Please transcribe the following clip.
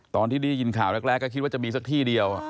ตอนที่ได้ยินข่าวแรกก็คิดว่าจะมีสักที่เดียว